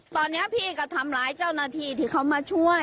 ตอนนี้พี่ก็ทำร้ายเจ้าหน้าที่ที่เขามาช่วย